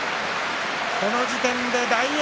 この時点で大栄